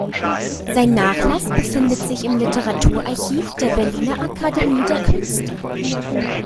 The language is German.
Sein Nachlass befindet sich im Literaturarchiv der Berliner Akademie der Künste.